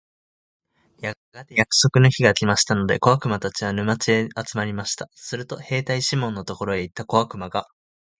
やがて約束の日が来ましたので、小悪魔たちは、沼地へ集まりました。すると兵隊シモンのところへ行った小悪魔が、